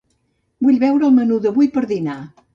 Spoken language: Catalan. Vull veure el menú d'avui per dinar.